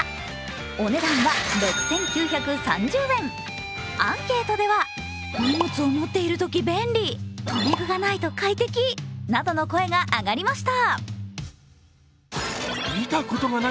お値段は６９３０円、アンケートではなどの声が上がりました。